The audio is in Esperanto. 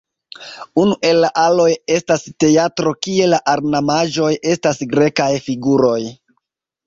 Unu el la aloj estas teatro, kie la ornamaĵoj estas grekaj figuroj.